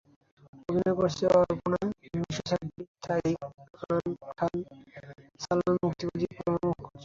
অভিনয় করেছেন অপর্ণা, মিশু সাব্বির, তারিক আনাম খান, সালমান মুক্তাদীর, রুমা প্রমুখ।